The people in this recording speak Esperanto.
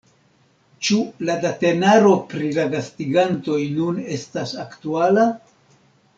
Ĉu la datenaro pri la gastigantoj nun estas aktuala?